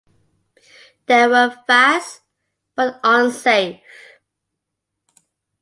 They were fast, but unsafe.